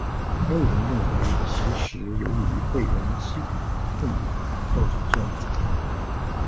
还有人认为其是由于被人欺负导致愤怒才造成这样的惨案。